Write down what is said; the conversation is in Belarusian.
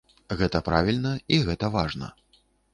Гэта правільна і гэта важна.